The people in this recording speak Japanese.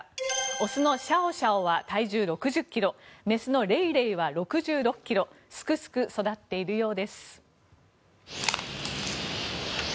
雄のシャオシャオは体重６０ｋｇ雌のレイレイは６６ｋｇすくすく育っているようです。